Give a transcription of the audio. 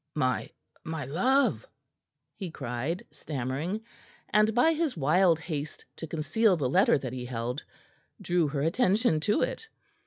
"My my love!" he cried, stammering, and by his wild haste to conceal the letter that he held, drew her attention to it.